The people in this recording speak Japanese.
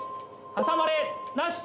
挟まれなし。